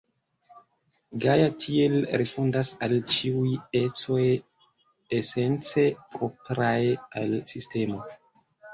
Gaja tiel respondas al ĉiuj ecoj esence propraj al sistemo.